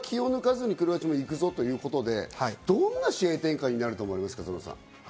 やっぱりそこは気を抜かずにクロアチアも行くぞということで、どんな試合展開になると思いますか？